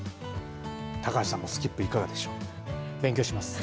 高橋さんもスキップ、いかがでしょう。